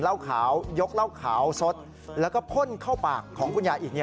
เหล้าขาวยกเหล้าขาวสดแล้วก็พ่นเข้าปากของคุณยายอีก